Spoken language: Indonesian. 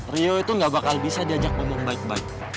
rio itu gak bakal bisa diajak ngomong baik baik